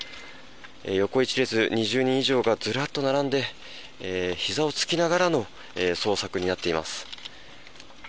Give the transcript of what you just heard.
横１列２０人以上がずらっと並んでひざをつきながらの捜索になっています。